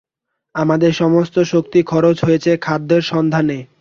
আমাদের সমস্ত শক্তি খরচ হয়েছে খাদ্যের সন্ধানে।